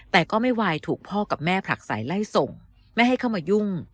แต่ก็ไม่ไหวถูกพ่อกับแม่ผลักสายไล่ส่งไม่ให้เข้ามายุ่ง